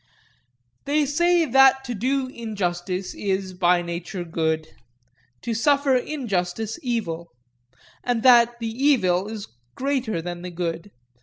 They say that to do injustice is, by nature, good; to suffer injustice, evil; but that the evil is greater than the good.